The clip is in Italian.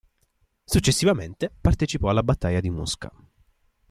Successivamente partecipò alla battaglia di Mosca.